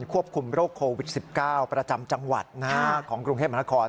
ควบคุมโรคโควิด๑๙ประจำจังหวัดของกรุงเทพมหานคร